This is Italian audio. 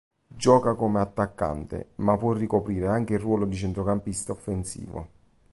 Gioca come attaccante, ma può ricoprire anche il ruolo di centrocampista offensivo.